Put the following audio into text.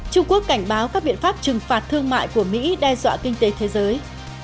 trung quốc cảnh báo các biện pháp trừng phạt thương mại của mỹ đe dọa kinh tế thế giới